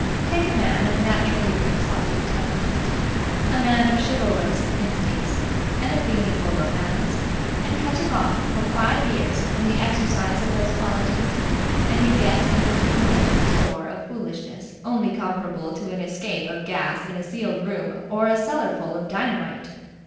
Take a man of naturally quixotic temperament, a man of chivalrous instincts and a feeling for romance, and cut him off for five years from the exercise of those qualities, and you get an accumulated store of foolishness only comparable to an escape of gas in a sealed room or a cellarful of dynamite.